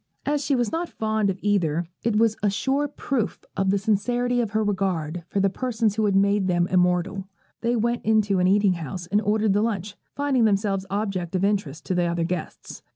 As she was not fond of either, it was a sure proof of the sincerity of her regard for the persons who have made them immortal. They went into an eating house, and ordered the lunch, finding themselves objects of interest to the other guests.